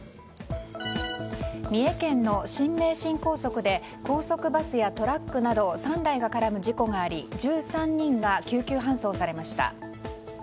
三重県の新名神高速で高速バスやトラックなど３台が絡む事故があり１３人が救急搬送されました。